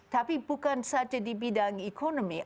tapi bukan saja di bidang ekonomi